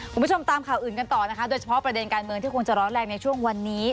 คุณผู้ชมตามข่าวอื่นกันต่อนะคะโดยเฉพาะประเด็นการเมืองที่คงจะร้อนแรงในช่วงวันนี้